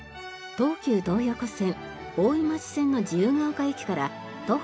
東急東横線大井町線の自由が丘駅から徒歩５分。